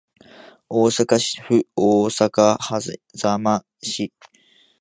大阪府大阪狭山市